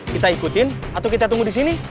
kita ikutin atau kita tunggu di sini